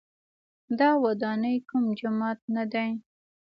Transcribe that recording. دا ودانۍ کوم جومات نه دی.